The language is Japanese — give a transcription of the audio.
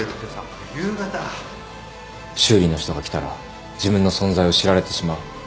夕方修理の人が来たら自分の存在を知られてしまう。